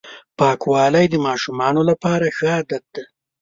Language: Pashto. پاکوالی د ماشومانو لپاره ښه عادت دی.